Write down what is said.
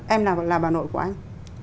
em là bà nội của anh